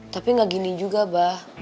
tapi enggak gini juga abah